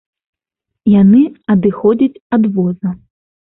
Яны адыходзяць ад воза.